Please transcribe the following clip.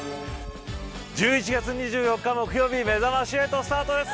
１１月２４日木曜日めざまし８スタートです。